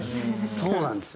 そうなんですよ。